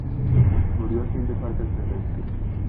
Murió sin dejar descendencia.